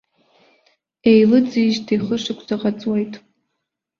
Еилыҵижьҭеи хышықәсаҟа ҵуеит.